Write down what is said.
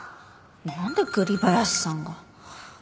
何で栗林さんが？